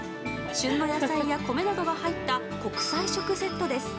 旬の野菜や米などが入った穀菜食セットです。